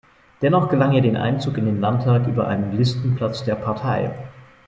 Dennoch gelang ihr der Einzug in den Landtag, über einen Listenplatz der Partei.